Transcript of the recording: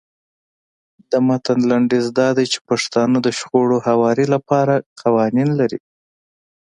د متن لنډیز دا دی چې پښتانه د شخړو هواري لپاره قوانین لري.